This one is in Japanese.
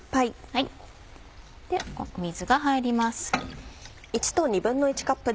水が入ります。